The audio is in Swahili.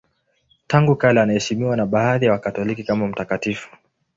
Tangu kale anaheshimiwa na baadhi ya Wakatoliki kama mtakatifu.